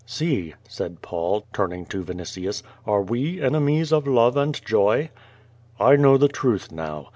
"See," said Paul, turning to Vinitius, "are we enemies of love and joy?" I know the truth now.